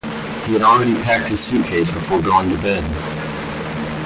He had already packed his suitcase before going to bed.